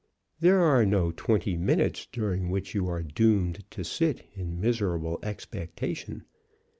There are no twenty minutes during which you are doomed to sit in miserable expectation.